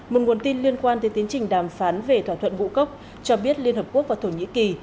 một nguồn tin liên quan tới tiến trình đàm phán về thỏa thuận ngũ cốc cho biết liên hợp quốc và thổ nhĩ kỳ